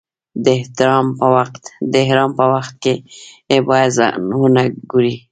د احرام په وخت کې باید ځان و نه ګروئ.